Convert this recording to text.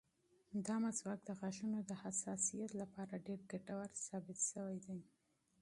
دا مسواک د غاښونو د حساسیت لپاره ډېر ګټور ثابت شوی دی.